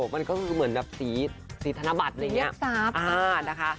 มันก็คือเหมือนแบบสีสีธนบัตรอย่างเงี้ยเรียกทรัพย์อ่านะคะ